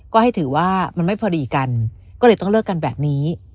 ก็ให้ถือว่ามันไม่พอดีกันก็เลยต้องเลิกกันแบบนี้